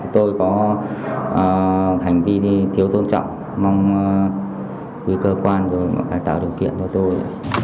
tôi có hành vi thiếu tôn trọng mong với cơ quan rồi phải tạo điều kiện cho tôi